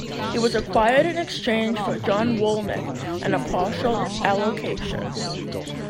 He was acquired in exchange for John Wolyniec and a partial allocation.